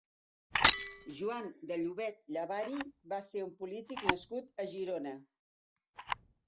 Joan de Llobet Llavari va ser un polític nascut a Girona.